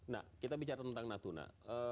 nah kita bicara tentang natuna